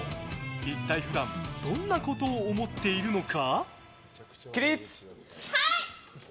一体普段、どんなことを思っているのか？